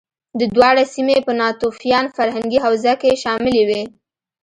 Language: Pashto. دا دواړه سیمې په ناتوفیان فرهنګي حوزه کې شاملې وې